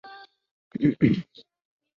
翠峰岩的历史年代为元代。